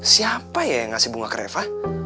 siapa ya yang ngasih bunga ke reva